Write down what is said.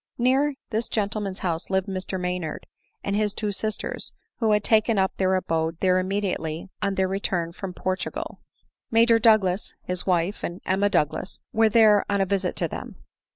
Near this gentleman's house lived Mr Maynard and his two sisters, who had taken up their abode there immedi ately on their return from Portugal. Major Douglas, his wife, and Emma Douglas were then on a visit to them.